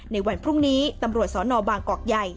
ในวันพรุ่งนี้ตำรวจสนบางกอกใหญ่